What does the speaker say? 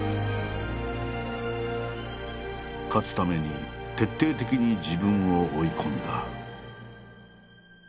勝つために徹底的に自分を追い込んだ。